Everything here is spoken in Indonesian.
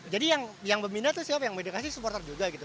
jadi yang berminta itu siapa yang mendekati supporter juga gitu